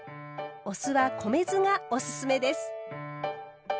お酢は米酢がおすすめです。